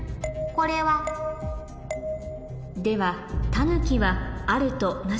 これは？ではタヌキは「ある」と「なし」